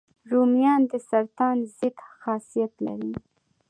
رومیان د سرطان ضد خاصیت لري